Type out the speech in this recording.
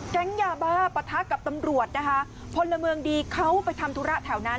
แก๊งยาบ้าปะทะกับตำรวจนะคะพลเมืองดีเขาไปทำธุระแถวนั้น